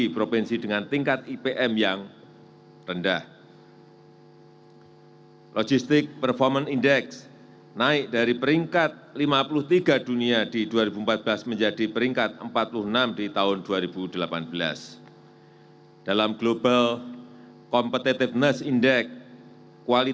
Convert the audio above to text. yang saya hormati bapak haji muhammad yudhkala